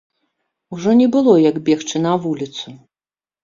Ужо не было як бегчы на вуліцу.